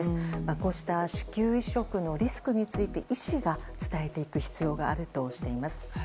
こうした子宮移植のリスクについて医師が伝えていく必要があるとしています。